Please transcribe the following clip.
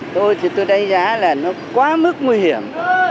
tôi thì tôi đánh giá là nó quá mức nguy hiểm